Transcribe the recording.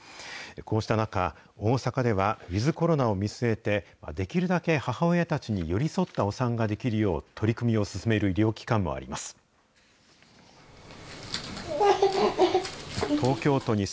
こうした中、大阪ではウィズコロナを見据えて、できるだけ母親たちに寄り添ったお産ができるよう、取り組みを進める医療機関もあります。